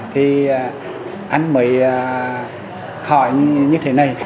thì anh mới hỏi như thế này